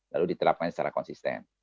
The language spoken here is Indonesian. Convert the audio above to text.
lalu diterapkan secara konsisten